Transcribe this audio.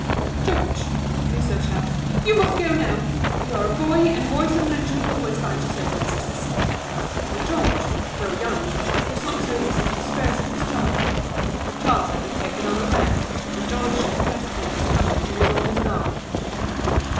"George," Liso shouted, "you must go now. You are a boy, and boys and men should always die to save their sisters." But George, though younger, was not so easy to dispose of as Charles. Charles had been taken unawares, but George guessed what was coming and was on his guard.